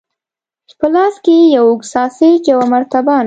په لاس کې یې یو اوږد ساسیج، یوه مرتبانه.